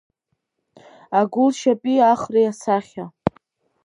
Агәылшьапи Ахреи асахьа…